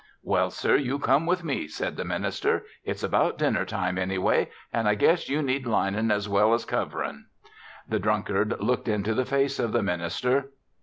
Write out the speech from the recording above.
"Well, sir, you come with me," said the minister. "It's about dinner time, anyway, and I guess you need lining as well as covering." The drunkard looked into the face of the minister.